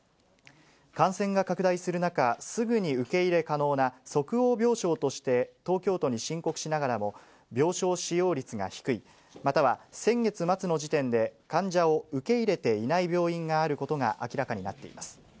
感染が拡大する中、すぐに受け入れ可能な即応病床として、東京都に申告しながらも、病床使用率が低い、または先月末の時点で患者を受け入れていない病院があることが明らかになっています。